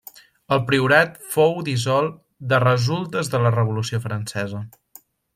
El priorat fou dissolt de resultes de la Revolució Francesa.